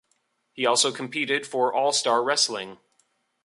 He also competed for All-Star Wrestling.